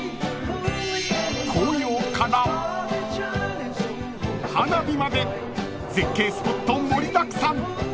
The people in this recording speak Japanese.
［紅葉から花火まで絶景スポット盛りだくさん］